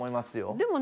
でもね